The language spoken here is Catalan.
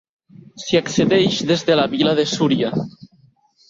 S'hi accedeix des de la vila de Súria.